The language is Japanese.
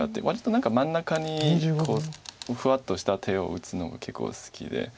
割と何か真ん中にふわっとした手を打つのが結構好きで。